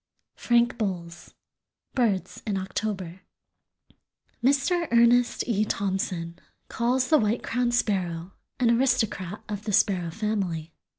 —Frank Bolles, "Birds in October." Mr. Ernest E. Thompson calls the White crowned Sparrow an aristocrat of the sparrow family.